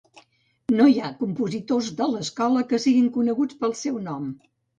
No hi ha compositors de l'escola que siguin coneguts pel seu nom.